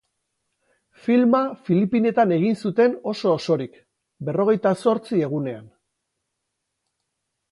Filma Filipinetan egin zuten oso-osorik, berrogeita zortzi egunean.